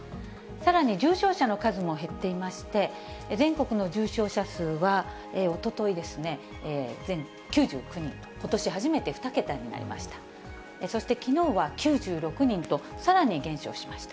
さらに重症者の数も減っていまして、全国の重症者数は、おとといですね、９９人と、ことし初めて２桁になりました。